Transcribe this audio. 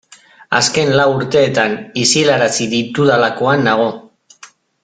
Azken lau urteetan isilarazi ditudalakoan nago.